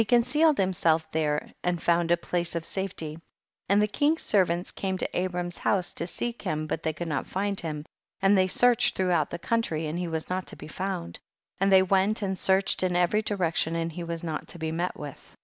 concealed himself tliere and found a place of safety ; and the king's ser vants came to Abram's house to seek him, but they could not find him, and they searched throughout the country and he was not to be found, and they went and searched in every direction and he was not to he met with.